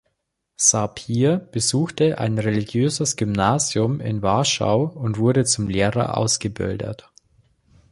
Sapir besuchte ein religiöses Gymnasium in Warschau und wurde zum Lehrer ausgebildet.